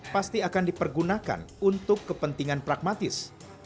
pasti akan dipergunakan untuk kepentingan pragmatis